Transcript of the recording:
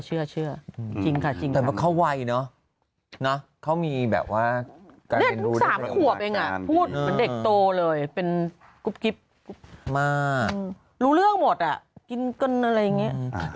จริงค่ะจริงนะคะอ่ะใช่มั้ย